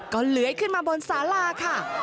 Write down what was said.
ก็เลื้อยขึ้นมาบนสาราค่ะ